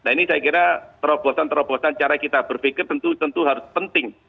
nah ini saya kira terobosan terobosan cara kita berpikir tentu harus penting